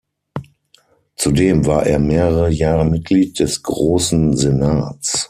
Zudem war er mehrere Jahre Mitglied des Großen Senats.